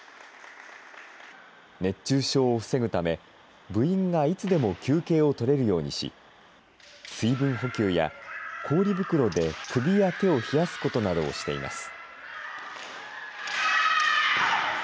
熱中症を防ぐため部員がいつでも休憩を取れるようにし水分補給や氷袋で首や手を冷やすことなどをしています。